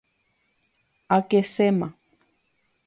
Akeséma.